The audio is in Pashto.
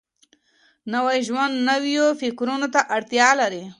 نوی ژوند نويو فکرونو ته اړتيا لري.